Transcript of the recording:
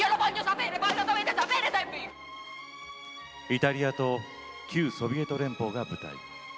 イタリアと旧ソビエト連邦が舞台。